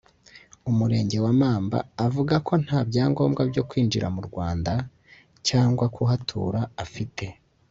umurenge wa Mamba avuga ko nta byangombwa byo kwinjira mu Rwanda cyangwa kuhatura afite